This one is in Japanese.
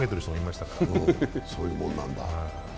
そういうもんなんだ。